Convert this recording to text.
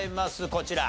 こちら。